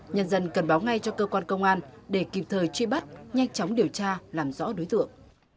nhân dân cần báo ngay cho cơ quan công an để kịp thời truy bắt nhanh chóng điều tra làm rõ đối tượng